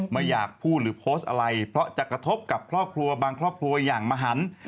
ไม่อยากพูดหรือโพสต์อะไรเพราะจะกระทบกับครอบครัวบางครอบครัวอย่างมหัน